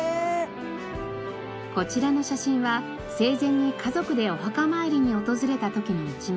こちらの写真は生前に家族でお墓参りに訪れた時の一枚。